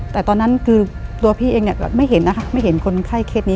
แต่ตอนนั้นคือตัวพี่เองเนี่ยไม่เห็นนะคะไม่เห็นคนไข้เคสนี้